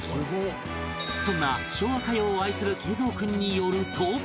そんな昭和歌謡を愛する桂三君によると